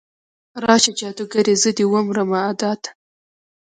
راشه جادوګرې، زه دې ومرمه ادا ته